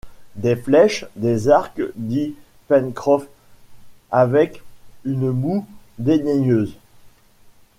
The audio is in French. Des flèches, des arcs! dit Pencroff avec une moue dédaigneuse